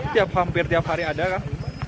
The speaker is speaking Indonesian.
tiap hari hampir ada kan